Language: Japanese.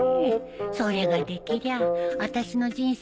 それができりゃああたしの人生